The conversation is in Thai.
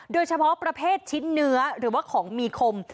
เฉพาะประเภทชิ้นเนื้อหรือว่าของมีคม